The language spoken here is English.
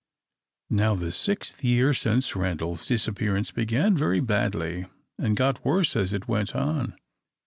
Now the sixth year since Randal's disappearance began very badly, and got worse as it went on.